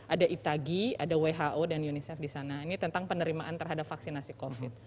ada itagi ada who dan unicef di sana ini tentang penerimaan terhadap vaksinasi covid